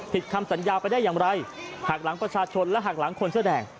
คำสัญญาไปได้อย่างไรหักหลังประชาชนและหักหลังคนเสื้อแดง